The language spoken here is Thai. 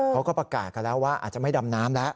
เขาก็ประกาศกันแล้วว่าอาจจะไม่ดำน้ำแล้ว